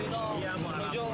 dia mau arah pulang